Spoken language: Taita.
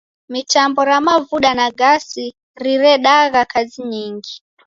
Mitambo ra mavuda na gasi riredagha kazi nyingi.